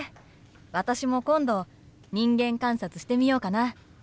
私も今度人間観察してみようかな。